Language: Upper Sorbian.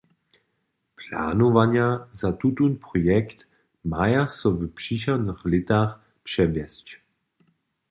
Planowanja za tutón projekt maja so w přichodnych lětach přewjesć.